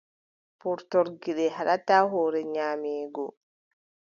Purtol gite haɗataa hoore nyaameego.